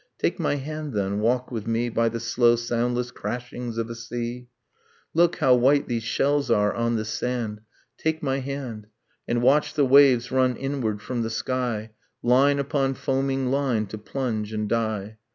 Take my hand, then, walk with me By the slow soundless crashings of a sea ... Look, how white these shells are, on this sand! Take my hand, And watch the waves run inward from the sky Line upon foaming line to plunge and die.